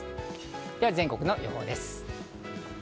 では全国の予報です。